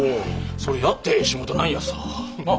それやって仕事なんやさ。なあ？